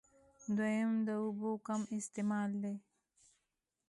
دويم د اوبو کم استعمال دی